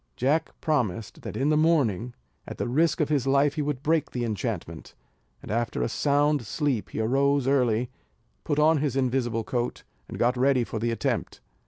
Jack promised, that in the morning, at the risk of his life he would break the enchantment: and after a sound sleep he arose early, put on his invisible coat, and got ready for the attempt.